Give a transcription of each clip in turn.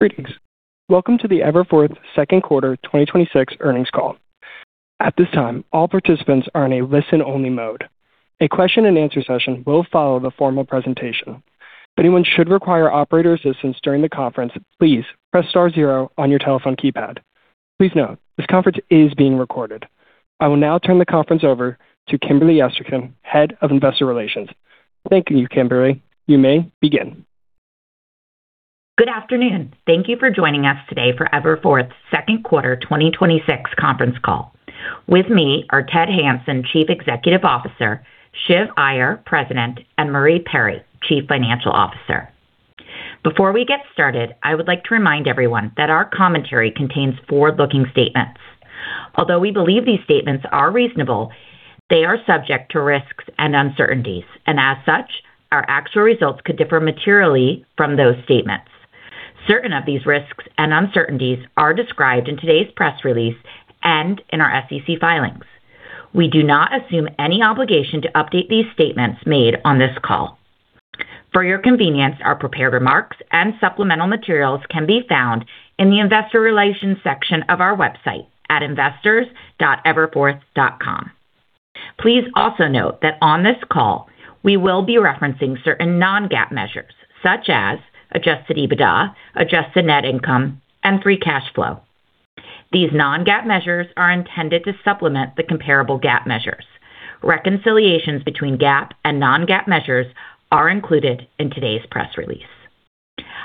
Greetings. Welcome to the Everforth second quarter 2026 earnings call. At this time, all participants are in a listen-only mode. A question and answer session will follow the formal presentation. If anyone should require operator assistance during the conference, please press star zero on your telephone keypad. Please note, this conference is being recorded. I will now turn the conference over to Kimberly Esterkin, Head of Investor Relations. Thank you, Kimberly. You may begin. Good afternoon. Thank you for joining us today for Everforth's second quarter 2026 conference call. With me are Ted Hanson, Chief Executive Officer, Shiv Iyer, President, and Marie Perry, Chief Financial Officer. Before we get started, I would like to remind everyone that our commentary contains forward-looking statements. Although we believe these statements are reasonable, they are subject to risks and uncertainties, and as such, our actual results could differ materially from those statements. Certain of these risks and uncertainties are described in today's press release and in our SEC filings. We do not assume any obligation to update these statements made on this call. For your convenience, our prepared remarks and supplemental materials can be found in the investor relations section of our website at investors.everforth.com. Please also note that on this call, we will be referencing certain non-GAAP measures such as adjusted EBITDA, adjusted net income, and free cash flow. These non-GAAP measures are intended to supplement the comparable GAAP measures. Reconciliations between GAAP and non-GAAP measures are included in today's press release.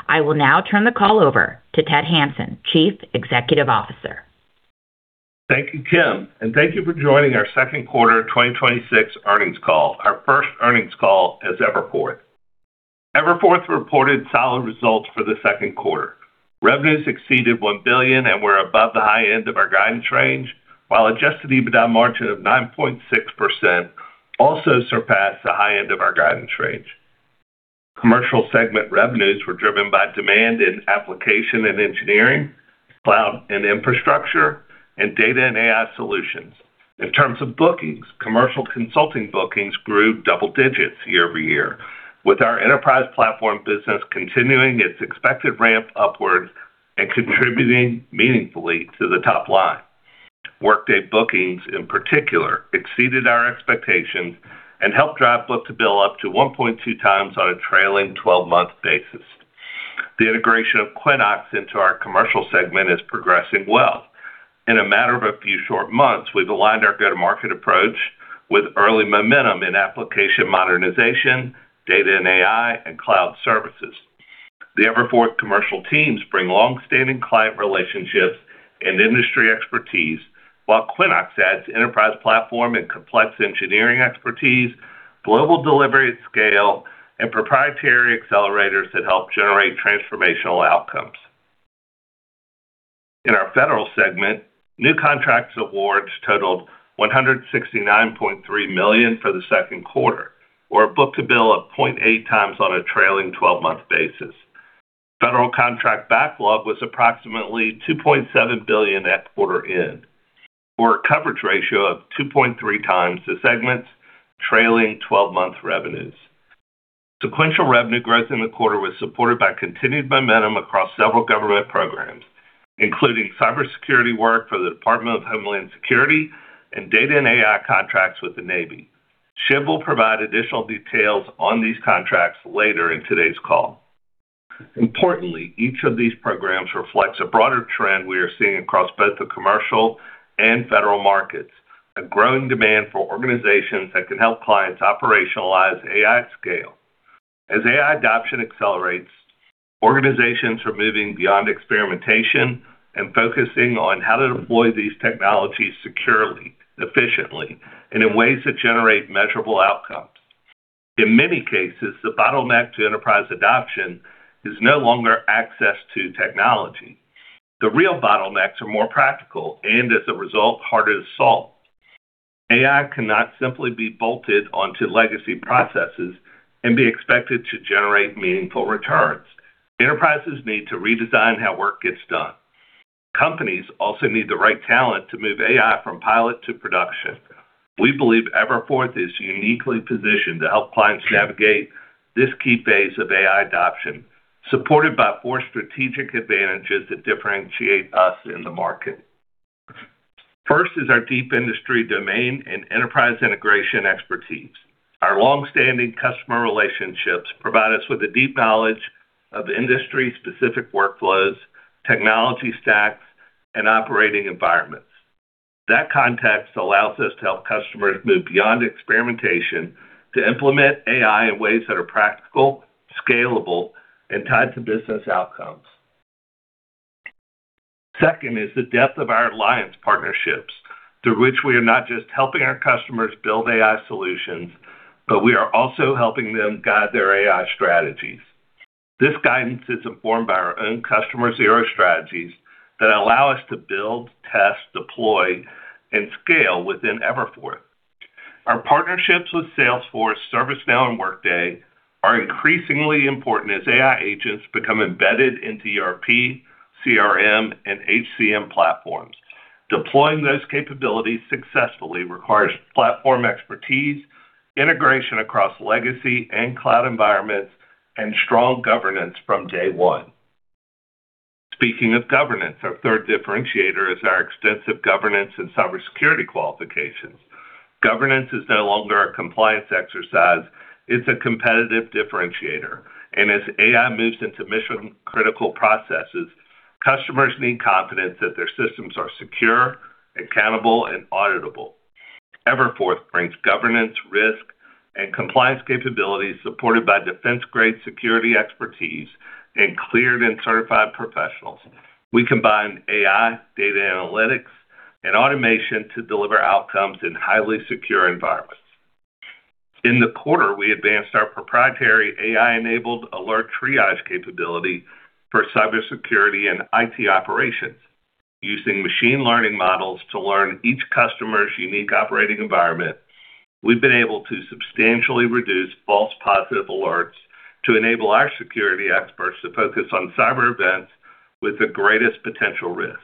I will now turn the call over to Ted Hanson, Chief Executive Officer. Thank you, Kim, and thank you for joining our second quarter 2026 earnings call, our first earnings call as Everforth. Everforth reported solid results for the second quarter. Revenues exceeded $1 billion and were above the high end of our guidance range, while adjusted EBITDA margin of 9.6% also surpassed the high end of our guidance range. Commercial segment revenues were driven by demand in application and engineering, cloud and infrastructure, and data and AI solutions. In terms of bookings, commercial consulting bookings grew double digits year-over-year, with our enterprise platform business continuing its expected ramp upwards and contributing meaningfully to the top line. Workday bookings, in particular, exceeded our expectations and helped drive book-to-bill up to 1.2x on a trailing 12-month basis. The integration of Quinnox into our commercial segment is progressing well. In a matter of a few short months, we've aligned our go-to-market approach with early momentum in application modernization, data and AI, and cloud services. The Everforth commercial teams bring long-standing client relationships and industry expertise, while Quinnox adds enterprise platform and complex engineering expertise, global delivery scale, and proprietary accelerators that help generate transformational outcomes. In our federal segment, new contracts awards totaled $169.3 million for the second quarter. We're book-to-bill of 0.8x on a trailing 12-month basis. Federal contract backlog was approximately $2.7 billion at quarter end, for a coverage ratio of 2.3x the segment's trailing 12-month revenues. Sequential revenue growth in the quarter was supported by continued momentum across several government programs, including cybersecurity work for the Department of Homeland Security and data and AI contracts with the Navy. Shiv will provide additional details on these contracts later in today's call. Importantly, each of these programs reflects a broader trend we are seeing across both the commercial and federal markets, a growing demand for organizations that can help clients operationalize AI at scale. As AI adoption accelerates, organizations are moving beyond experimentation and focusing on how to deploy these technologies securely, efficiently, and in ways that generate measurable outcomes. In many cases, the bottleneck to enterprise adoption is no longer access to technology. The real bottlenecks are more practical and, as a result, harder to solve. AI cannot simply be bolted onto legacy processes and be expected to generate meaningful returns. Enterprises need to redesign how work gets done. Companies also need the right talent to move AI from pilot to production. We believe Everforth is uniquely positioned to help clients navigate this key phase of AI adoption, supported by four strategic advantages that differentiate us in the market. First is our deep industry domain and enterprise integration expertise. Our long-standing customer relationships provide us with a deep knowledge of industry-specific workflows, technology stacks, and operating environments. That context allows us to help customers move beyond experimentation to implement AI in ways that are practical, scalable, and tied to business outcomes. Second is the depth of our alliance partnerships, through which we are not just helping our customers build AI solutions, but we are also helping them guide their AI strategies. This guidance is informed by our own customer zero strategies that allow us to build, test, deploy, and scale within Everforth. Our partnerships with Salesforce, ServiceNow, and Workday are increasingly important as AI agents become embedded into ERP, CRM, and HCM platforms. Deploying those capabilities successfully requires platform expertise, integration across legacy and cloud environments, and strong governance from day one. Speaking of governance, our third differentiator is our extensive governance and cybersecurity qualifications. Governance is no longer a compliance exercise. It's a competitive differentiator. As AI moves into mission-critical processes, customers need confidence that their systems are secure, accountable, and auditable. Everforth brings governance, risk, and compliance capabilities supported by defense-grade security expertise and cleared and certified professionals. We combine AI, data analytics, and automation to deliver outcomes in highly secure environments. In the quarter, we advanced our proprietary AI-enabled alert triage capability for cybersecurity and IT operations. Using machine learning models to learn each customer's unique operating environment, we've been able to substantially reduce false positive alerts to enable our security experts to focus on cyber events with the greatest potential risk.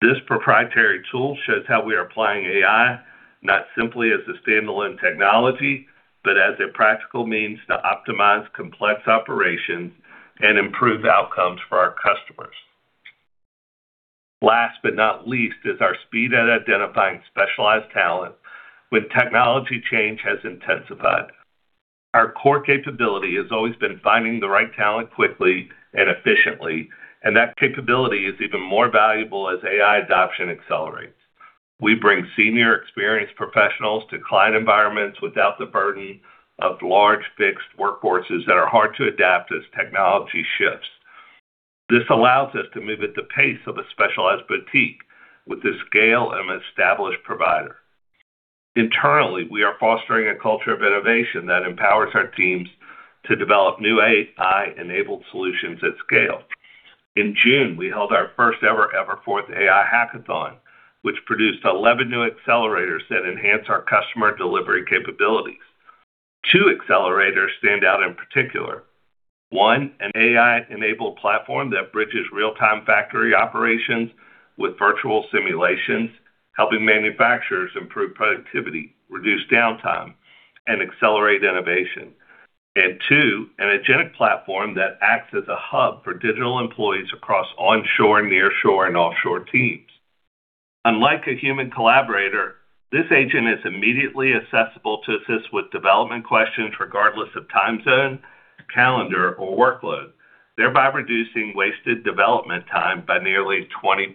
This proprietary tool shows how we are applying AI not simply as a standalone technology, but as a practical means to optimize complex operations and improve outcomes for our customers. Last but not least is our speed at identifying specialized talent when technology change has intensified. Our core capability has always been finding the right talent quickly and efficiently, and that capability is even more valuable as AI adoption accelerates. We bring senior experienced professionals to client environments without the burden of large fixed workforces that are hard to adapt as technology shifts. This allows us to move at the pace of a specialized boutique with the scale of an established provider. Internally, we are fostering a culture of innovation that empowers our teams to develop new AI-enabled solutions at scale. In June, we held our first ever Everforth AI Hackathon, which produced 11 new accelerators that enhance our customer delivery capabilities. Two accelerators stand out in particular. One, an AI-enabled platform that bridges real-time factory operations with virtual simulations, helping manufacturers improve productivity, reduce downtime, and accelerate innovation. Two, an agentic platform that acts as a hub for digital employees across onshore, nearshore, and offshore teams. Unlike a human collaborator, this agent is immediately accessible to assist with development questions regardless of time zone, calendar, or workload, thereby reducing wasted development time by nearly 20%.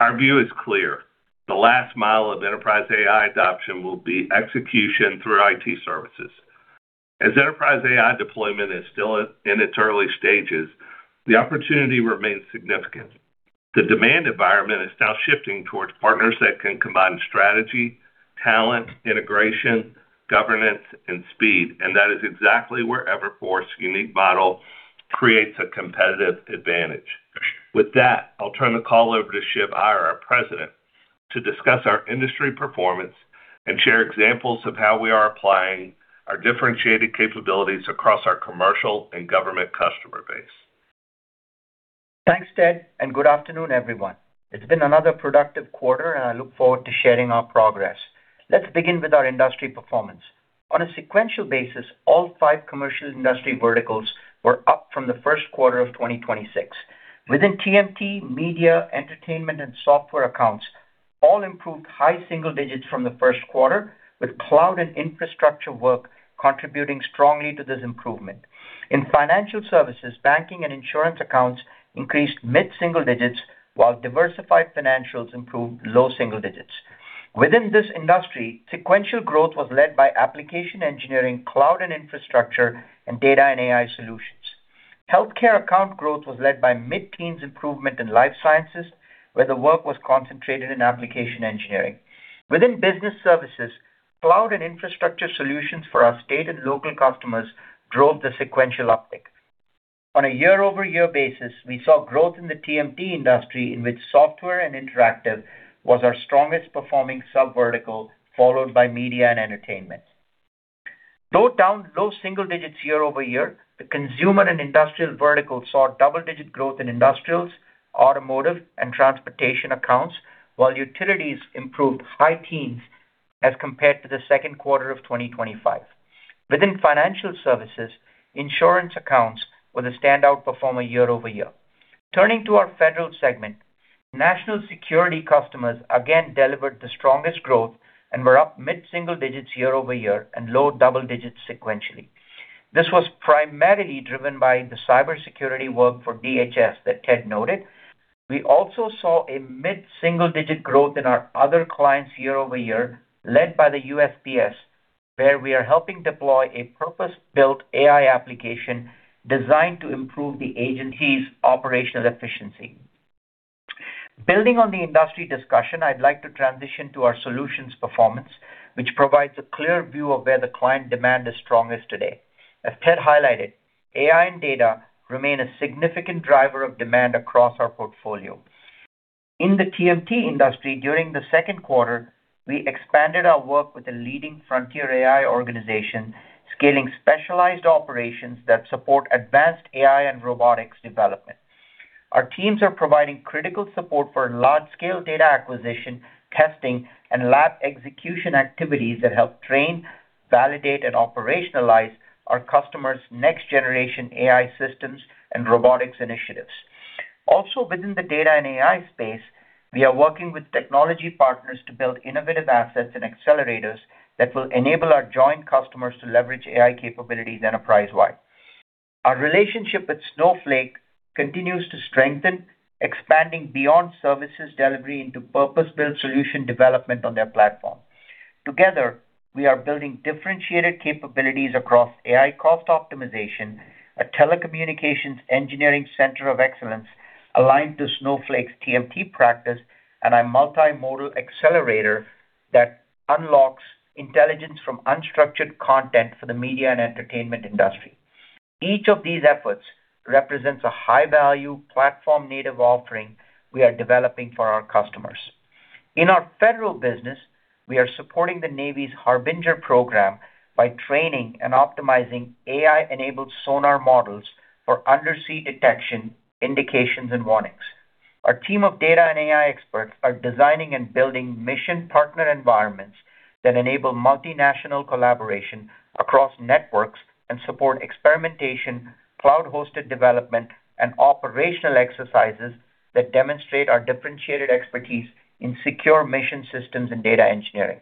Our view is clear. The last mile of enterprise AI adoption will be execution through IT services. As enterprise AI deployment is still in its early stages, the opportunity remains significant. The demand environment is now shifting towards partners that can combine strategy, talent, integration, governance, and speed, and that is exactly where Everforth's unique model creates a competitive advantage. With that, I'll turn the call over to Shiv Iyer, our President, to discuss our industry performance and share examples of how we are applying our differentiated capabilities across our commercial and government customer base. Thanks, Ted, and good afternoon, everyone. It's been another productive quarter, and I look forward to sharing our progress. Let's begin with our industry performance. On a sequential basis, all five commercial industry verticals were up from the first quarter of 2026. Within TMT, media, entertainment, and software accounts all improved high single digits from the first quarter, with cloud and infrastructure work contributing strongly to this improvement. In financial services, banking, and insurance accounts increased mid-single digits, while diversified financials improved low single digits. Within this industry, sequential growth was led by application engineering, cloud and infrastructure, and data and AI solutions. Healthcare account growth was led by mid-teens improvement in life sciences, where the work was concentrated in application engineering. Within business services, cloud and infrastructure solutions for our state and local customers drove the sequential uptick. On a year-over-year basis, we saw growth in the TMT industry in which software and interactive was our strongest performing sub-vertical, followed by media and entertainment. Low single digits year-over-year, the consumer and industrial vertical saw double-digit growth in industrials, automotive, and transportation accounts, while utilities improved high teens as compared to the second quarter of 2025. Within financial services, insurance accounts were the standout performer year-over-year. Turning to our federal segment, national security customers again delivered the strongest growth and were up mid-single digits year-over-year and low double digits sequentially. This was primarily driven by the cybersecurity work for DHS that Ted noted. We also saw a mid-single-digit growth in our other clients year-over-year, led by the USPS, where we are helping deploy a purpose-built AI application designed to improve the agency's operational efficiency. Building on the industry discussion, I'd like to transition to our solutions performance, which provides a clear view of where the client demand is strongest today. As Ted highlighted, AI and data remain a significant driver of demand across our portfolio. In the TMT industry, during the second quarter, we expanded our work with a leading frontier AI organization, scaling specialized operations that support advanced AI and robotics development. Our teams are providing critical support for large-scale data acquisition, testing, and lab execution activities that help train, validate, and operationalize our customers' next-generation AI systems and robotics initiatives. Also within the data and AI space, we are working with technology partners to build innovative assets and accelerators that will enable our joint customers to leverage AI capabilities enterprise-wide. Our relationship with Snowflake continues to strengthen, expanding beyond services delivery into purpose-built solution development on their platform. Together, we are building differentiated capabilities across AI cost optimization, a telecommunications engineering center of excellence aligned to Snowflake's TMT practice, and a multimodal accelerator that unlocks intelligence from unstructured content for the media and entertainment industry. Each of these efforts represents a high-value platform-native offering we are developing for our customers. In our federal business, we are supporting the Navy's Harbinger program by training and optimizing AI-enabled sonar models for undersea detection, indications, and warnings. Our team of data and AI experts are designing and building mission partner environments that enable multinational collaboration across networks and support experimentation, cloud-hosted development, and operational exercises that demonstrate our differentiated expertise in secure mission systems and data engineering.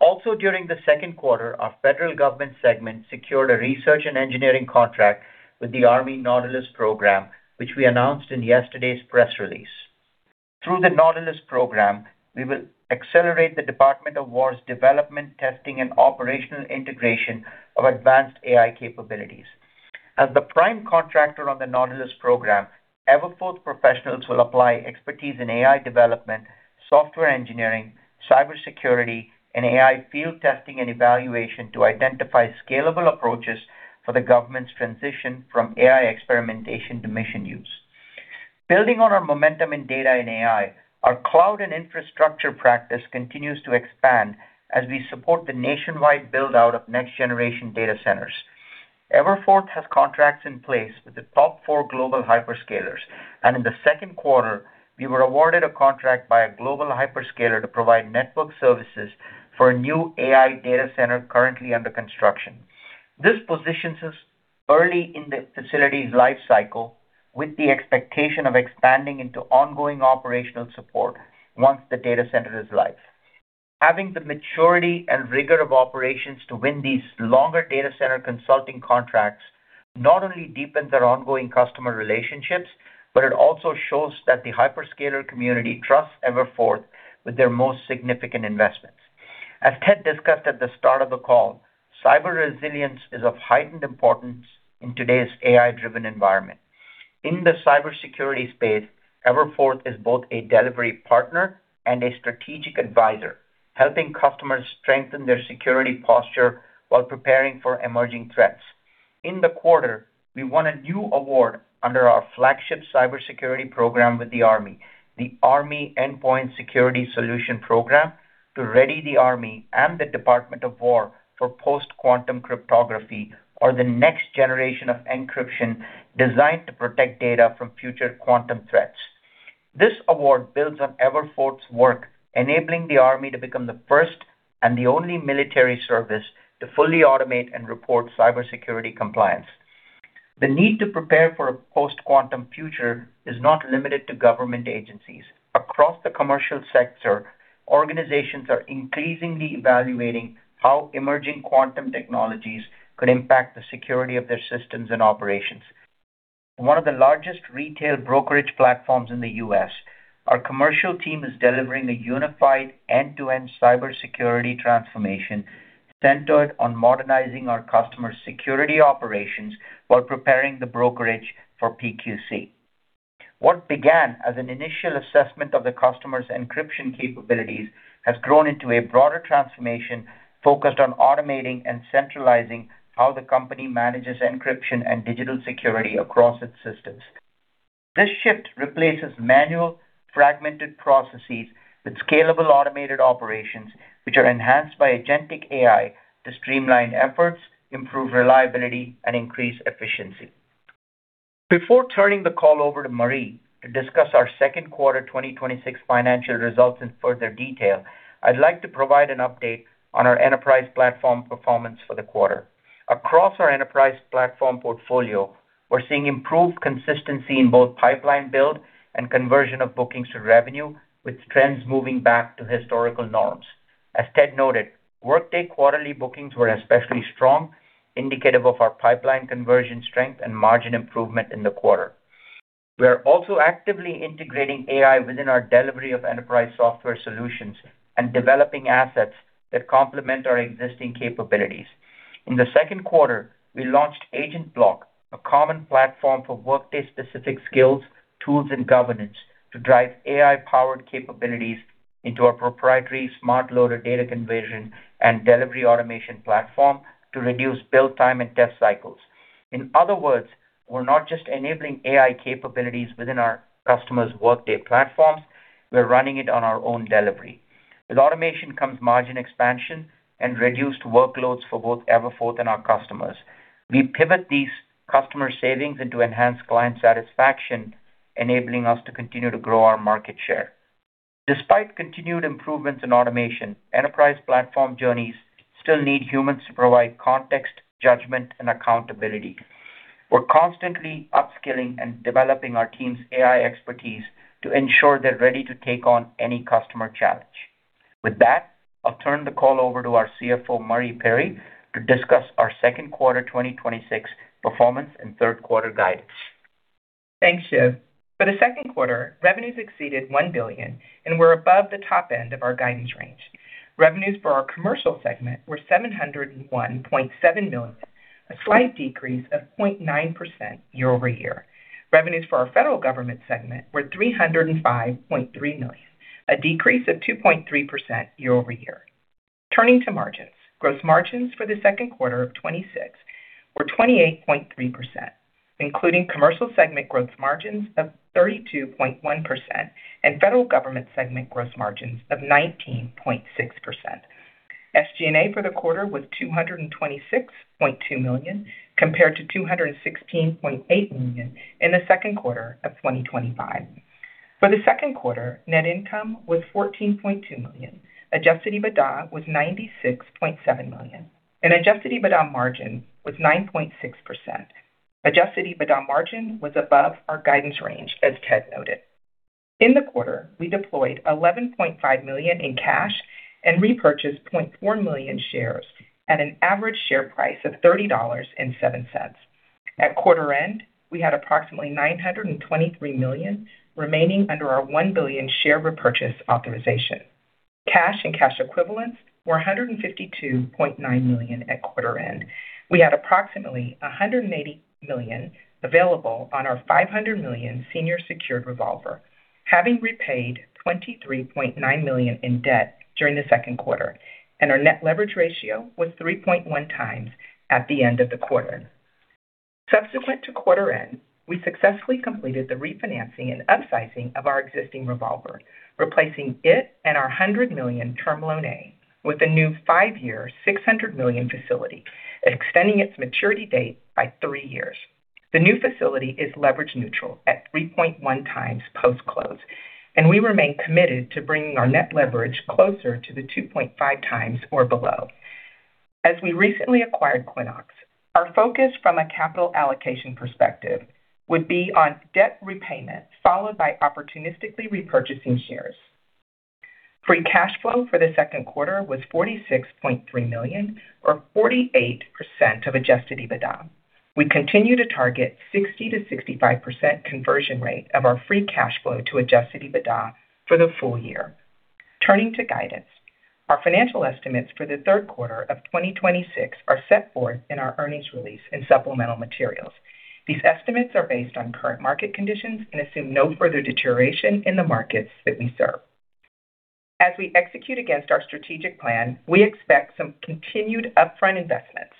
Also during the second quarter, our federal government segment secured a research and engineering contract with the Army Nautilus program, which we announced in yesterday's press release. Through the Nautilus program, we will accelerate the Department of Defense's development, testing, and operational integration of advanced AI capabilities. As the prime contractor on the Nautilus program, Everforth professionals will apply expertise in AI development, software engineering, cybersecurity, and AI field testing and evaluation to identify scalable approaches for the government's transition from AI experimentation to mission use. Building on our momentum in data and AI, our cloud and infrastructure practice continues to expand as we support the nationwide build-out of next-generation data centers. Everforth has contracts in place with the top four global hyperscalers, and in the second quarter, we were awarded a contract by a global hyperscaler to provide network services for a new AI data center currently under construction. This positions us early in the facility's life cycle with the expectation of expanding into ongoing operational support once the data center is live. Having the maturity and rigor of operations to win these longer data center consulting contracts not only deepens our ongoing customer relationships, it also shows that the hyperscaler community trusts Everforth with their most significant investments. As Ted discussed at the start of the call, cyber resilience is of heightened importance in today's AI-driven environment. In the cybersecurity space, Everforth is both a delivery partner and a strategic advisor, helping customers strengthen their security posture while preparing for emerging threats. In the quarter, we won a new award under our flagship cybersecurity program with the Army, the Army Endpoint Security Solution program, to ready the Army and the Department of Defense for post-quantum cryptography or the next generation of encryption designed to protect data from future quantum threats. This award builds on Everforth's work, enabling the Army to become the first and the only military service to fully automate and report cybersecurity compliance. The need to prepare for a post-quantum future is not limited to government agencies. Across the commercial sector, organizations are increasingly evaluating how emerging quantum technologies could impact the security of their systems and operations. One of the largest retail brokerage platforms in the U.S., our commercial team is delivering a unified end-to-end cybersecurity transformation centered on modernizing our customer's security operations while preparing the brokerage for PQC. What began as an initial assessment of the customer's encryption capabilities has grown into a broader transformation focused on automating and centralizing how the company manages encryption and digital security across its systems. This shift replaces manual fragmented processes with scalable automated operations, which are enhanced by agentic AI to streamline efforts, improve reliability, and increase efficiency. Before turning the call over to Marie to discuss our second quarter 2026 financial results in further detail, I'd like to provide an update on our enterprise platform performance for the quarter. Across our enterprise platform portfolio, we're seeing improved consistency in both pipeline build and conversion of bookings to revenue, with trends moving back to historical norms. As Ted noted, Workday quarterly bookings were especially strong, indicative of our pipeline conversion strength and margin improvement in the quarter. We are also actively integrating AI within our delivery of enterprise software solutions and developing assets that complement our existing capabilities. In the second quarter, we launched Agent Block, a common platform for Workday-specific skills, tools, and governance to drive AI-powered capabilities into our proprietary SmartLoader data conversion and delivery automation platform to reduce build time and test cycles. In other words, we're not just enabling AI capabilities within our customers' Workday platforms, we're running it on our own delivery. With automation comes margin expansion and reduced workloads for both Everforth and our customers. We pivot these customer savings into enhanced client satisfaction, enabling us to continue to grow our market share. Despite continued improvements in automation, enterprise platform journeys still need humans to provide context, judgment, and accountability. We're constantly upskilling and developing our team's AI expertise to ensure they're ready to take on any customer challenge. With that, I'll turn the call over to our CFO, Marie Perry, to discuss our second quarter 2026 performance and third quarter guidance. Thanks, Shiv. For the second quarter, revenues exceeded $1 billion, and were above the top end of our guidance range. Revenues for our commercial segment were $701.7 million, a slight decrease of 0.9% year-over-year. Revenues for our federal government segment were $305.3 million, a decrease of 2.3% year-over-year. Turning to margins. Gross margins for the second quarter of 2026 were 28.3%, including commercial segment gross margins of 32.1% and federal government segment gross margins of 19.6%. SG&A for the quarter was $226.2 million, compared to $216.8 million in the second quarter of 2025. For the second quarter, net income was $14.2 million, adjusted EBITDA was $96.7 million, and adjusted EBITDA margin was 9.6%. Adjusted EBITDA margin was above our guidance range, as Ted noted. In the quarter, we deployed $11.5 million in cash and repurchased 0.4 million shares at an average share price of $30.07. At quarter end, we had approximately $923 million remaining under our $1 billion share repurchase authorization. Cash and cash equivalents were $152.9 million at quarter end. We had approximately $180 million available on our $500 million senior secured revolver, having repaid $23.9 million in debt during the second quarter. Our net leverage ratio was 3.1x at the end of the quarter. Subsequent to quarter end, we successfully completed the refinancing and upsizing of our existing revolver, replacing it and our $100 million Term Loan A with a new five-year, $600 million facility, extending its maturity date by three years. The new facility is leverage neutral at 3.1x post-close. We remain committed to bringing our net leverage closer to the 2.5x or below. As we recently acquired Quinnox, our focus from a capital allocation perspective would be on debt repayment, followed by opportunistically repurchasing shares. Free cash flow for the second quarter was $46.3 million, or 48% of adjusted EBITDA. We continue to target 60%-65% conversion rate of our free cash flow to adjusted EBITDA for the full year. Turning to guidance. Our financial estimates for the third quarter of 2026 are set forth in our earnings release and supplemental materials. These estimates are based on current market conditions and assume no further deterioration in the markets that we serve. As we execute against our strategic plan, we expect some continued upfront investments.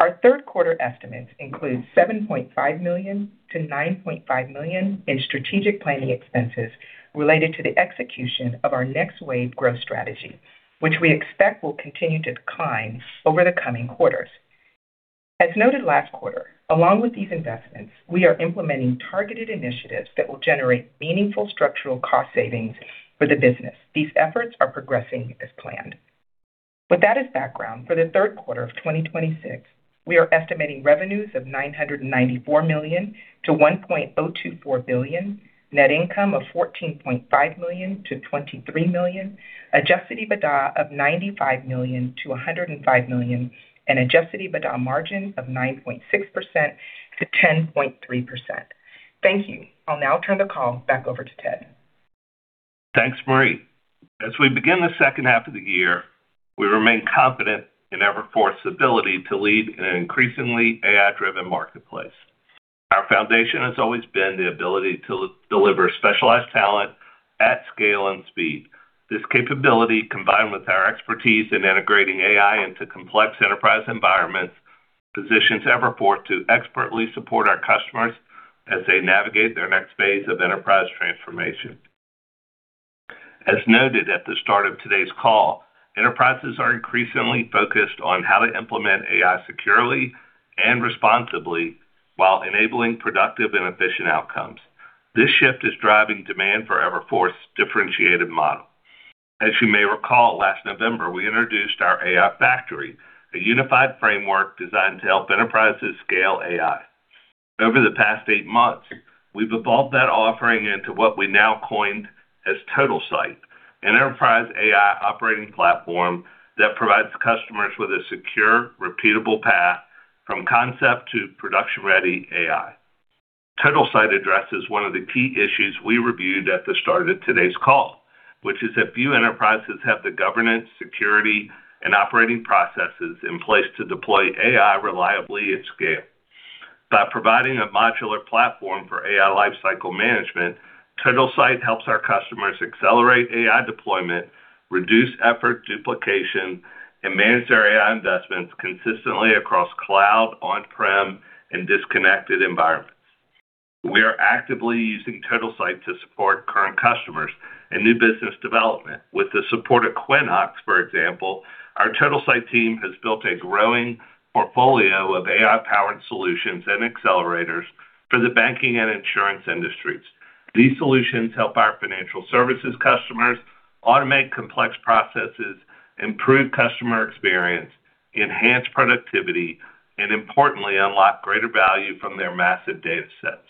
Our third quarter estimates include $7.5 million-$9.5 million in strategic planning expenses related to the execution of our NextWave growth strategy, which we expect will continue to decline over the coming quarters. As noted last quarter, along with these investments, we are implementing targeted initiatives that will generate meaningful structural cost savings for the business. These efforts are progressing as planned. With that as background, for the third quarter of 2026, we are estimating revenues of $994 million to $1.024 billion, net income of $14.5 million-$23 million, adjusted EBITDA of $95 million-$105 million, and adjusted EBITDA margin of 9.6%-10.3%. Thank you. I'll now turn the call back over to Ted. Thanks, Marie. As we begin the second half of the year, we remain confident in Everforth's ability to lead an increasingly AI-driven marketplace. Our foundation has always been the ability to deliver specialized talent at scale and speed. This capability, combined with our expertise in integrating AI into complex enterprise environments, positions Everforth to expertly support our customers as they navigate their next phase of enterprise transformation. As noted at the start of today's call, enterprises are increasingly focused on how to implement AI securely and responsibly while enabling productive and efficient outcomes. This shift is driving demand for Everforth's differentiated model. As you may recall, last November, we introduced our AI Factory, a unified framework designed to help enterprises scale AI. Over the past eight months, we've evolved that offering into what we now coined as TotalSight, an enterprise AI operating platform that provides customers with a secure, repeatable path from concept to production-ready AI. TotalSight addresses one of the key issues we reviewed at the start of today's call, which is that few enterprises have the governance, security, and operating processes in place to deploy AI reliably at scale. By providing a modular platform for AI lifecycle management, TotalSight helps our customers accelerate AI deployment, reduce effort duplication, and manage their AI investments consistently across cloud, on-prem, and disconnected environments. We are actively using TotalSight to support current customers and new business development. With the support of Quinnox, for example, our TotalSight team has built a growing portfolio of AI-powered solutions and accelerators for the banking and insurance industries. These solutions help our financial services customers automate complex processes, improve customer experience, enhance productivity, and importantly, unlock greater value from their massive data sets.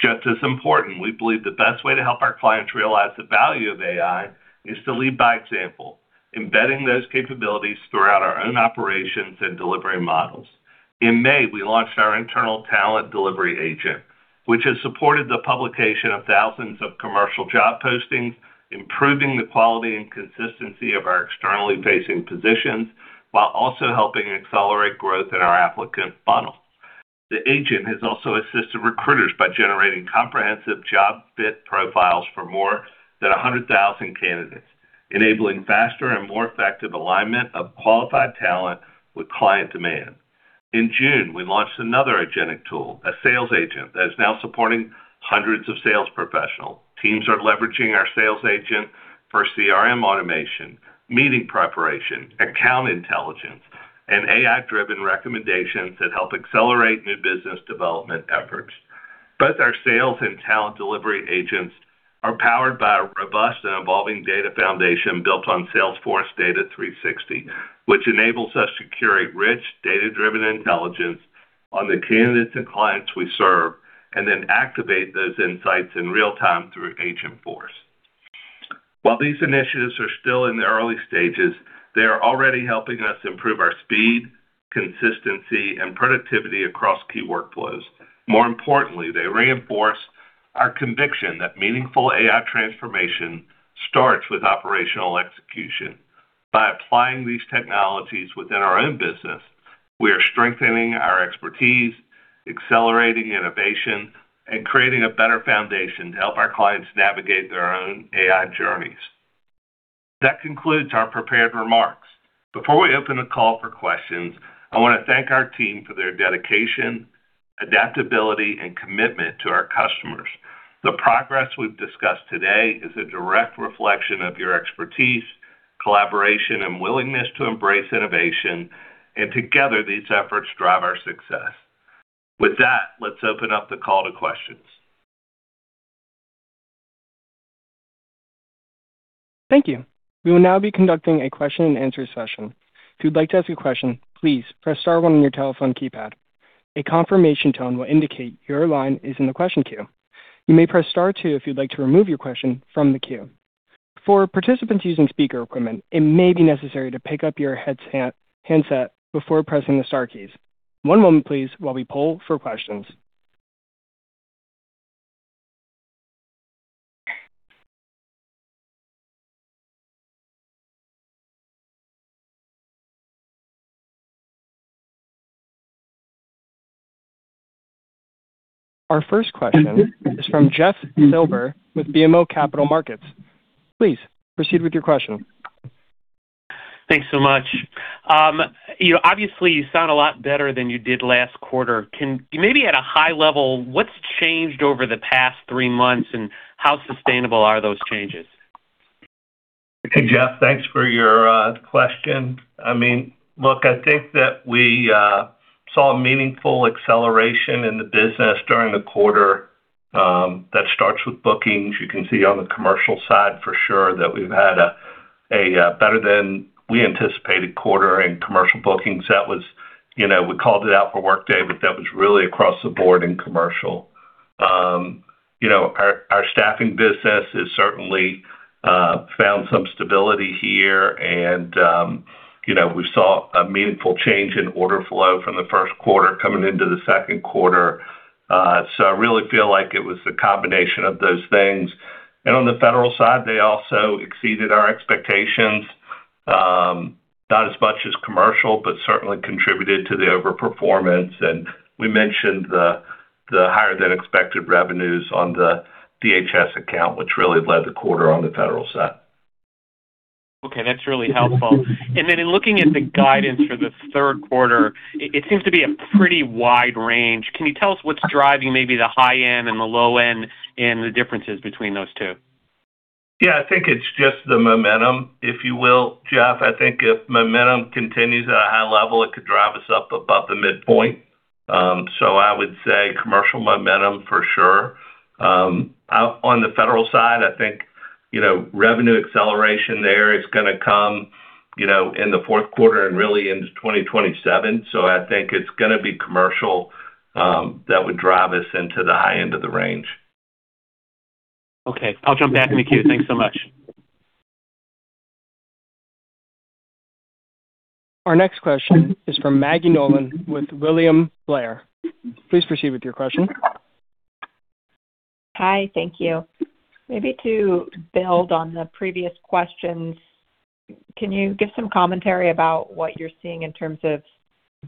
Just as important, we believe the best way to help our clients realize the value of AI is to lead by example, embedding those capabilities throughout our own operations and delivery models. In May, we launched our internal talent delivery agent, which has supported the publication of thousands of commercial job postings, improving the quality and consistency of our externally facing positions while also helping accelerate growth in our applicant funnel. The agent has also assisted recruiters by generating comprehensive job fit profiles for more than 100,000 candidates, enabling faster and more effective alignment of qualified talent with client demand. In June, we launched another agentic tool, a sales agent that is now supporting hundreds of sales professionals. Teams are leveraging our sales agent for CRM automation, meeting preparation, account intelligence, and AI-driven recommendations that help accelerate new business development efforts. Both our sales and talent delivery agents are powered by a robust and evolving data foundation built on Salesforce Data Cloud 360, which enables us to curate rich, data-driven intelligence on the candidates and clients we serve and then activate those insights in real time through Agentforce. While these initiatives are still in the early stages, they are already helping us improve our speed, consistency, and productivity across key workflows. More importantly, they reinforce our conviction that meaningful AI transformation starts with operational execution. By applying these technologies within our own business, we are strengthening our expertise, accelerating innovation, and creating a better foundation to help our clients navigate their own AI journeys. That concludes our prepared remarks. Before we open the call for questions, I want to thank our team for their dedication, adaptability, and commitment to our customers. The progress we've discussed today is a direct reflection of your expertise, collaboration, and willingness to embrace innovation. Together, these efforts drive our success. With that, let's open up the call to questions. Thank you. We will now be conducting a question and answer session. If you'd like to ask a question, please press star one on your telephone keypad. A confirmation tone will indicate your line is in the question queue. You may press star two if you'd like to remove your question from the queue. For participants using speaker equipment, it may be necessary to pick up your handset before pressing the star keys. One moment, please, while we poll for questions. Our first question is from Jeff Silber with BMO Capital Markets. Please proceed with your question. Thanks so much. Obviously, you sound a lot better than you did last quarter. Maybe at a high level, what's changed over the past three months, how sustainable are those changes? Hey, Jeff. Thanks for your question. Look, I think that we saw a meaningful acceleration in the business during the quarter. That starts with bookings. You can see on the commercial side for sure that we've had a better than we anticipated quarter in commercial bookings. We called it out for Workday, but that was really across the board in commercial. Our staffing business has certainly found some stability here, and we saw a meaningful change in order flow from the first quarter coming into the second quarter. I really feel like it was the combination of those things. On the federal side, they also exceeded our expectations, not as much as commercial, but certainly contributed to the over-performance. We mentioned the higher than expected revenues on the DHS account, which really led the quarter on the federal side. Okay, that's really helpful. Then in looking at the guidance for the third quarter, it seems to be a pretty wide range. Can you tell us what's driving maybe the high end and the low end and the differences between those two? Yeah, I think it's just the momentum, if you will, Jeff. I think if momentum continues at a high level, it could drive us up above the midpoint. I would say commercial momentum for sure. On the federal side, I think revenue acceleration there is going to come in the fourth quarter and really into 2027. I think it's going to be commercial that would drive us into the high end of the range. Okay. I'll jump back in the queue. Thanks so much. Our next question is from Maggie Nolan with William Blair. Please proceed with your question. Hi. Thank you. Maybe to build on the previous questions, can you give some commentary about what you're seeing in terms of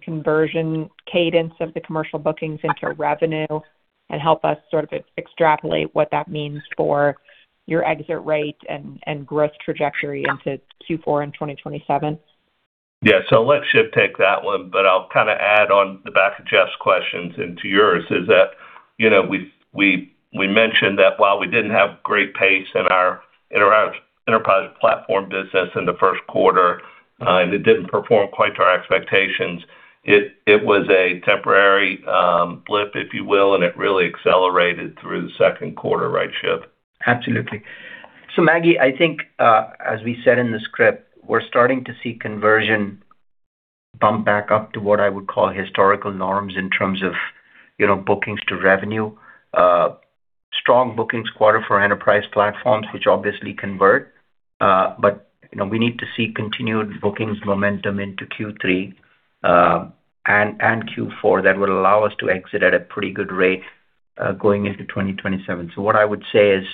conversion cadence of the commercial bookings into revenue and help us sort of extrapolate what that means for your exit rate and growth trajectory into Q4 in 2027? Yeah. Let Shiv take that one, but I'll kind of add on the back of Jeff's questions and to yours is that we mentioned that while we didn't have great pace in our enterprise platform business in the first quarter, and it didn't perform quite to our expectations, it was a temporary blip, if you will, and it really accelerated through the second quarter. Right, Shiv? Absolutely. Maggie, I think, as we said in the script, we're starting to see conversion bump back up to what I would call historical norms in terms of bookings to revenue. Strong bookings quarter for enterprise platforms, which obviously convert. We need to see continued bookings momentum into Q3 and Q4 that will allow us to exit at a pretty good rate going into 2027. What I would say is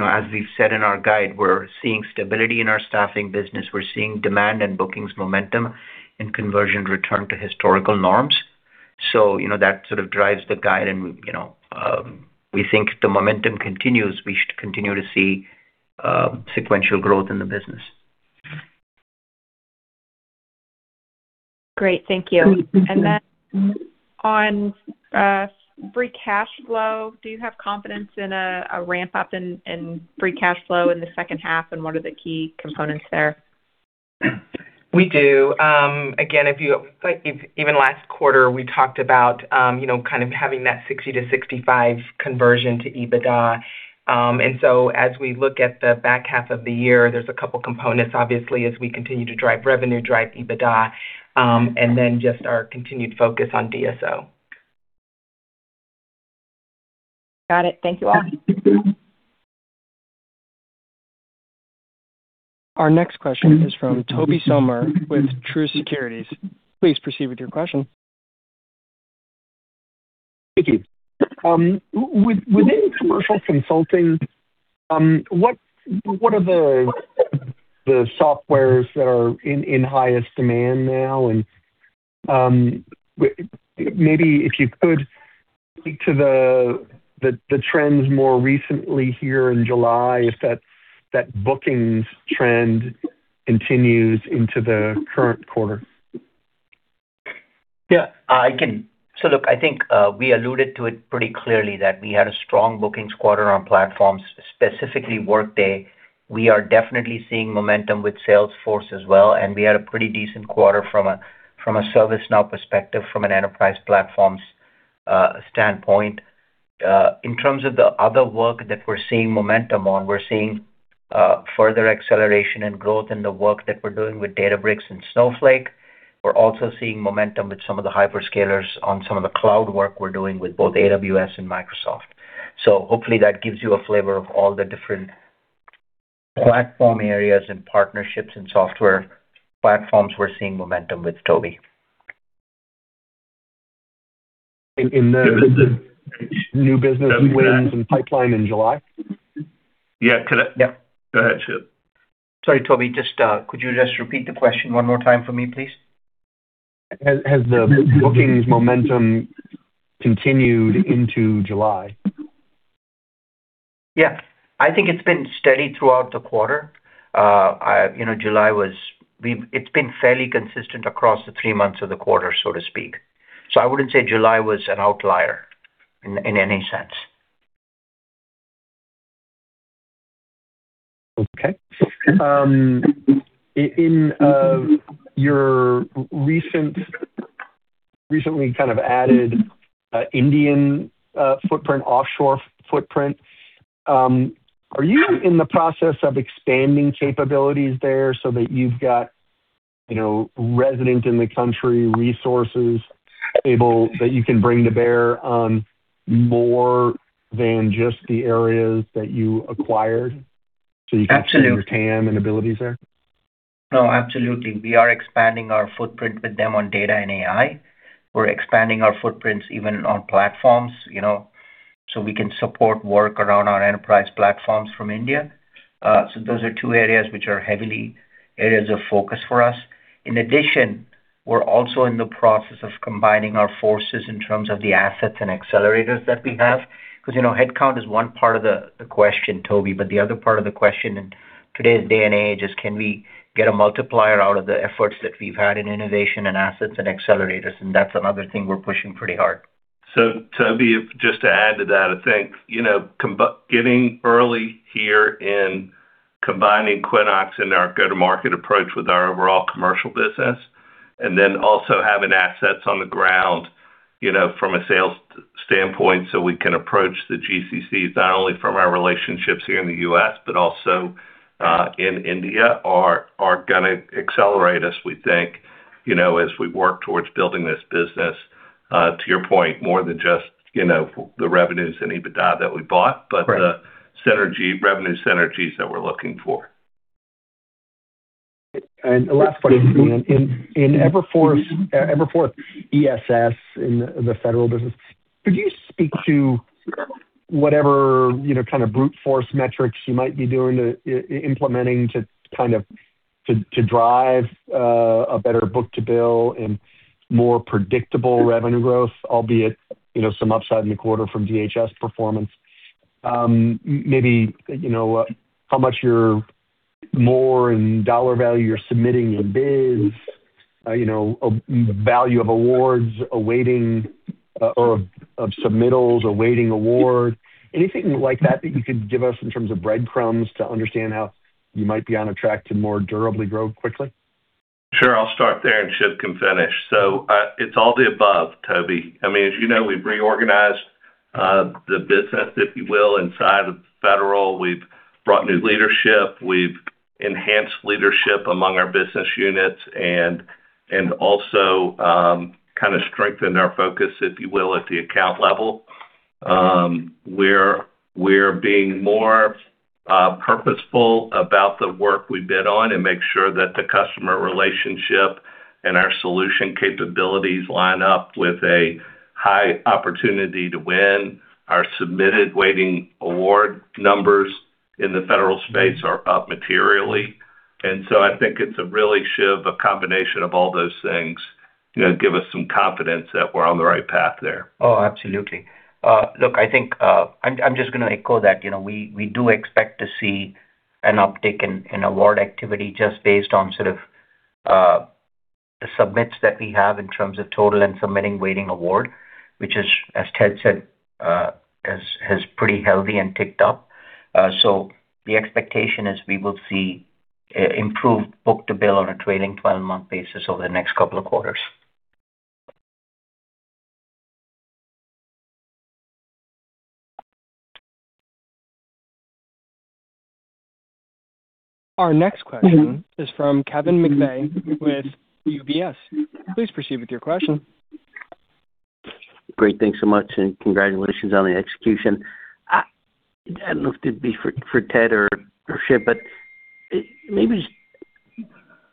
as we've said in our guide, we're seeing stability in our staffing business. We're seeing demand and bookings momentum and conversion return to historical norms. That sort of drives the guide and we think if the momentum continues, we should continue to see sequential growth in the business. Great. Thank you. Then on free cash flow, do you have confidence in a ramp-up in free cash flow in the second half, and what are the key components there? We do. Again, even last quarter, we talked about kind of having that 60%-65% conversion to EBITDA. As we look at the back half of the year, there's a couple components, obviously, as we continue to drive revenue, drive EBITDA, then just our continued focus on DSO. Got it. Thank you all. Our next question is from Tobey Sommer with Truist Securities. Please proceed with your question. Thank you. Within commercial consulting, what are the softwares that are in highest demand now? Maybe if you could speak to the trends more recently here in July, if that bookings trend continues into the current quarter. Yeah, I can. We alluded to it pretty clearly that we had a strong bookings quarter on platforms, specifically Workday. We are definitely seeing momentum with Salesforce as well, and we had a pretty decent quarter from a ServiceNow perspective, from an enterprise platforms standpoint. In terms of the other work that we're seeing momentum on, we're seeing further acceleration and growth in the work that we're doing with Databricks and Snowflake. We're also seeing momentum with some of the hyperscalers on some of the cloud work we're doing with both AWS and Microsoft. Hopefully that gives you a flavor of all the different platform areas and partnerships and software platforms we're seeing momentum with, Tobey. In the new business wins and pipeline in July? Yeah. Go ahead, Shiv. Sorry, Tobey. Could you just repeat the question one more time for me, please? Has the bookings momentum continued into July? Yeah. I think it's been steady throughout the quarter. July, it's been fairly consistent across the three months of the quarter, so to speak. I wouldn't say July was an outlier in any sense. Okay. In your recently kind of added Indian footprint, offshore footprint, are you in the process of expanding capabilities there so that you've got resident in the country resources able, that you can bring to bear on more than just the areas that you acquired- Absolutely you can expand your TAM and abilities there? No, absolutely. We are expanding our footprint with them on data and AI. We're expanding our footprints even on platforms, we can support work around our enterprise platforms from India. Those are two areas which are heavily areas of focus for us. In addition, we're also in the process of combining our forces in terms of the assets and accelerators that we have. Headcount is one part of the question, Tobey, but the other part of the question in today's day and age is can we get a multiplier out of the efforts that we've had in innovation and assets and accelerators, that's another thing we're pushing pretty hard. Tobey, just to add to that, I think getting early here in combining Quinnox and our go-to-market approach with our overall commercial business, and then also having assets on the ground from a sales standpoint, so we can approach the GCCs, not only from our relationships here in the U.S., but also in India, are gonna accelerate us, we think, as we work towards building this business, to your point, more than just the revenues and EBITDA that we bought. Right The revenue synergies that we're looking for. A last question. In Everforth ECS, in the federal business, could you speak to whatever kind of brute force metrics you might be doing, implementing to drive a better book-to-bill and more predictable revenue growth, albeit some upside in the quarter from DHS performance? Maybe how much more in dollar value you're submitting in bids, value of awards awaiting or of submittals awaiting award. Anything like that you could give us in terms of breadcrumbs to understand how you might be on a track to more durably grow quickly? Sure. I'll start there. Shiv can finish. It's all the above, Tobey. As you know, we've reorganized the business, if you will, inside of federal. We've brought new leadership, we've enhanced leadership among our business units, and also strengthened our focus, if you will, at the account level. We're being more purposeful about the work we bid on and make sure that the customer relationship and our solution capabilities line up with a high opportunity to win. Our submitted waiting award numbers in the federal space are up materially. I think it's a really, Shiv, a combination of all those things give us some confidence that we're on the right path there. Absolutely. Look, I think I'm just going to echo that. We do expect to see an uptick in award activity just based on the submits that we have in terms of total and submitting waiting award, which is, as Ted said, is pretty healthy and ticked up. The expectation is we will see improved book-to-bill on a trailing 12-month basis over the next couple of quarters. Our next question is from Kevin McVeigh with UBS. Please proceed with your question. Great. Thanks so much. Congratulations on the execution. I don't know if this would be for Ted or Shiv. Maybe just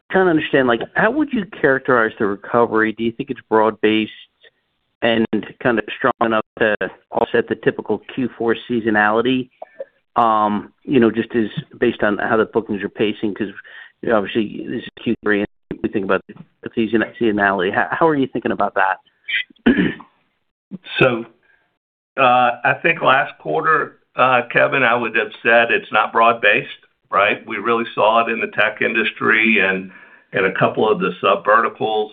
trying to understand, how would you characterize the recovery? Do you think it's broad-based and strong enough to offset the typical Q4 seasonality just based on how the bookings are pacing? Obviously, this is Q3, and we think about the seasonality. How are you thinking about that? I think last quarter, Kevin, I would have said it's not broad-based, right? We really saw it in the tech industry and in a couple of the subverticals.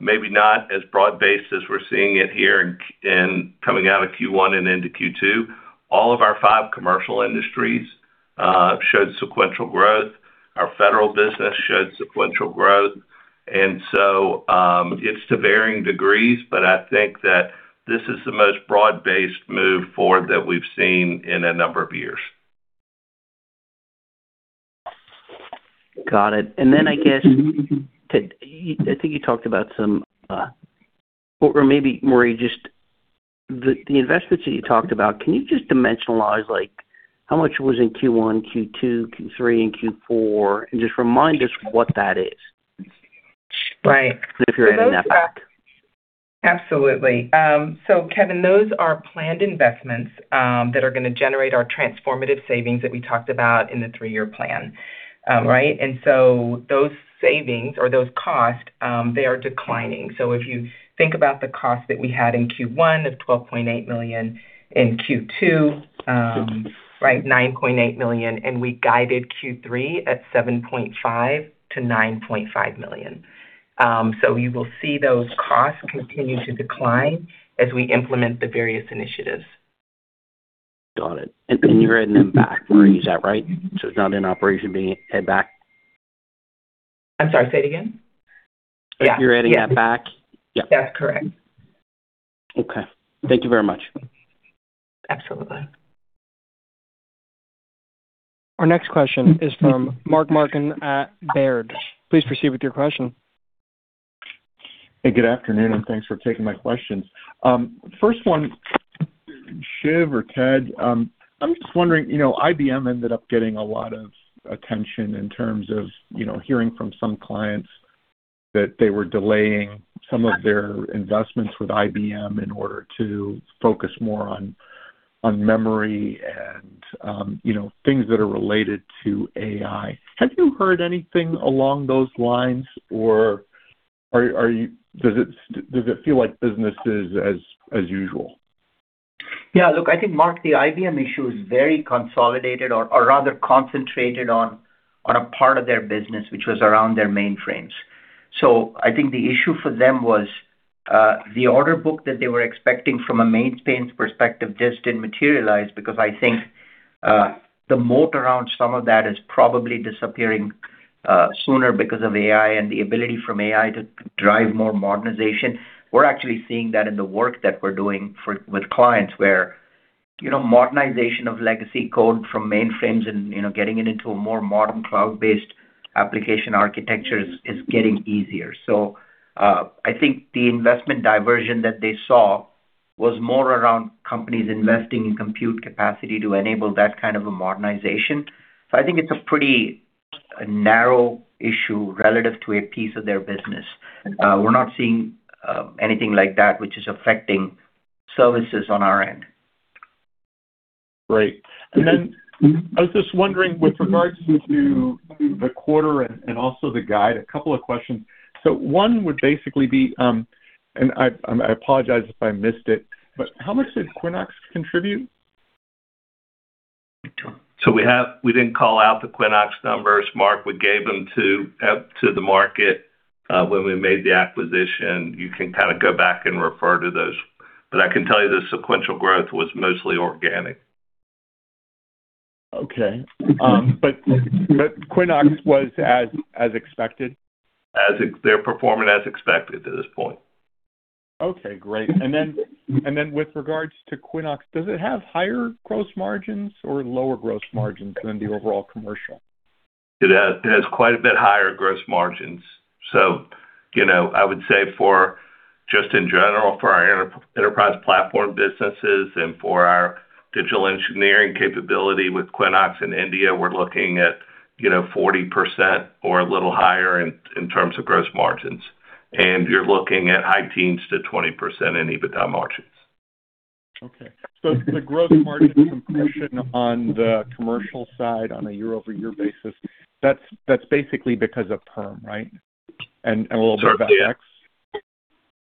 Maybe not as broad-based as we're seeing it here in coming out of Q1 and into Q2. All of our five commercial industries showed sequential growth. Our federal business showed sequential growth. It's to varying degrees, but I think that this is the most broad-based move forward that we've seen in a number of years. Got it. I guess, Ted, I think you talked about some, or maybe Marie, just the investments that you talked about, can you just dimensionalize how much was in Q1, Q2, Q3, and Q4, and just remind us what that is? Right. If you're adding them back. Absolutely. Kevin, those are planned investments that are going to generate our transformative savings that we talked about in the three-year plan. Right? Those savings or those costs, they are declining. If you think about the cost that we had in Q1 of $12.8 million, in Q2, $9.8 million, we guided Q3 at $7.5 million-$9.5 million. You will see those costs continue to decline as we implement the various initiatives. Got it. You're adding them back, Marie. Is that right? It's not in operation, but you add back. I'm sorry, say it again. If you're adding that back. That's correct. Okay. Thank you very much. Absolutely. Our next question is from Mark Marcon at Baird. Please proceed with your question. Hey, good afternoon. Thanks for taking my questions. First one, Shiv or Ted, I'm just wondering, IBM ended up getting a lot of attention in terms of hearing from some clients that they were delaying some of their investments with IBM in order to focus more on memory and things that are related to AI. Have you heard anything along those lines, or does it feel like business is as usual? Look, I think Mark, the IBM issue is very consolidated or rather concentrated on a part of their business, which was around their mainframes. I think the issue for them was the order book that they were expecting from a mainframes perspective just didn't materialize because I think the moat around some of that is probably disappearing sooner because of AI and the ability from AI to drive more modernization. We're actually seeing that in the work that we're doing with clients where modernization of legacy code from mainframes and getting it into a more modern cloud-based application architecture is getting easier. I think the investment diversion that they saw was more around companies investing in compute capacity to enable that kind of a modernization. I think it's a pretty narrow issue relative to a piece of their business. We're not seeing anything like that, which is affecting services on our end. Great. I was just wondering with regards to the quarter and also the guide, a couple of questions. One would basically be, and I apologize if I missed it, but how much did Quinnox contribute? We didn't call out the Quinnox numbers, Mark. We gave them to the market when we made the acquisition. You can kind of go back and refer to those. I can tell you the sequential growth was mostly organic. Okay. Quinnox was as expected? They're performing as expected to this point. Okay, great. With regards to Quinnox, does it have higher gross margins or lower gross margins than the overall commercial? It has quite a bit higher gross margins. I would say for just in general for our enterprise platform businesses and for our digital engineering capability with Quinnox in India, we're looking at 40% or a little higher in terms of gross margins. You're looking at high teens to 20% in EBITDA margins. Okay. The gross margin compression on the commercial side on a year-over-year basis, that's basically because of PERM, right? A little bit of FX? Certainly.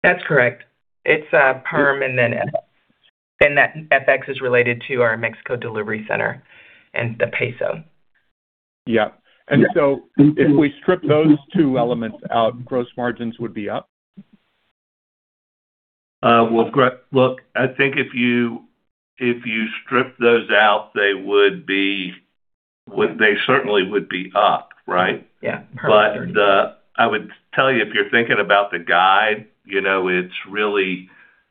That's correct. It's PERM and then FX. That FX is related to our Mexico delivery center and the peso. Yeah. If we strip those two elements out, gross margins would be up? Well, look, I think if you strip those out, they certainly would be up, right? Yeah. I would tell you, if you're thinking about the guide,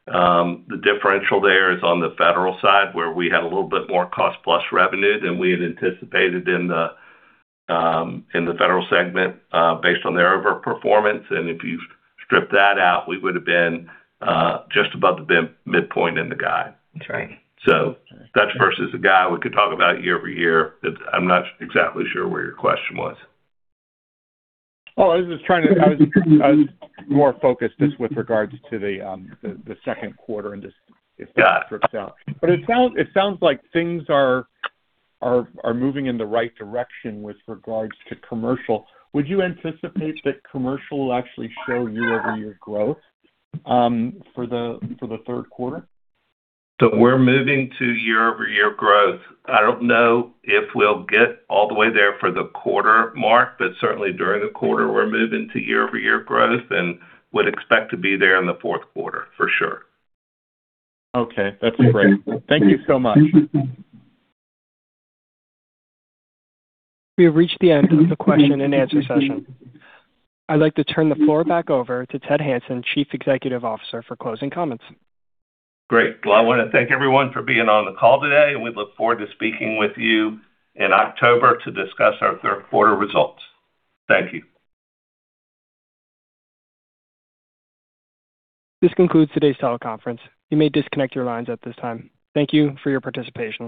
the differential there is on the federal side where we had a little bit more cost plus revenue than we had anticipated in the federal segment based on their overperformance. If you strip that out, we would've been just above the midpoint in the guide. That's right. That versus the guide we could talk about year-over-year, but I'm not exactly sure where your question was. Oh, I was more focused just with regards to the second quarter and just if that strips out. It sounds like things are moving in the right direction with regards to commercial. Would you anticipate that commercial will actually show year-over-year growth for the third quarter? We are moving to year-over-year growth. I don't know if we'll get all the way there for the quarter, Mark, but certainly during the quarter, we're moving to year-over-year growth and would expect to be there in the fourth quarter for sure. Okay, that's great. Thank you so much. We have reached the end of the question and answer session. I'd like to turn the floor back over to Ted Hanson, Chief Executive Officer, for closing comments. Great. I want to thank everyone for being on the call today, and we look forward to speaking with you in October to discuss our third quarter results. Thank you. This concludes today's teleconference. You may disconnect your lines at this time. Thank you for your participation.